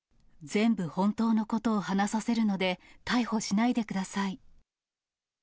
全部本当のことを話させるので、逮捕しないでください。